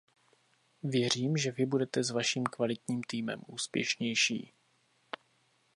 Věřím, že Vy budete s vaším kvalitním týmem úspěšnější.